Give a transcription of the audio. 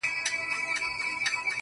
ماخو ستا غمونه ځوروي گلي ,